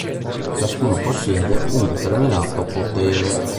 Ciascuno possiede un determinato potere.